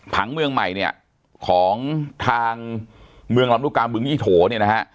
ผังเมืองใหม่เนี่ยของทางเมืองลำลูกกาบึงยี่โถเนี่ยนะฮะ